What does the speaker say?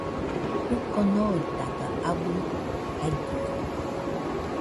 Jiko noitaga abɨ jaidɨa